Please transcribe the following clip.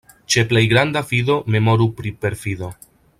Ĉe plej granda fido memoru pri perfido.